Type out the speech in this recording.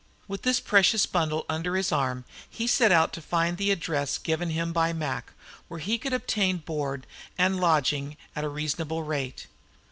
With this precious bundle under his arm he set out to find the address given him by Mac, where he could obtain board and lodging at a reasonable rate.